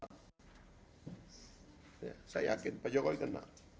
saya yakin pak jokowi kena